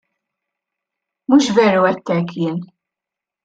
Mhux veru għidt hekk jien.